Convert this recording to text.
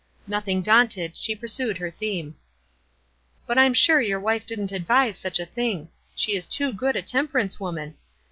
Nothing daunted, she pur sued her theme. " But I'm sure your wife didn't advise such a thing — she is too good a temperance woman.